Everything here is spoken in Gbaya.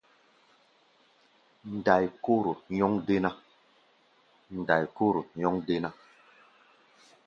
Ndai-kóro nyɔ́ŋ déná.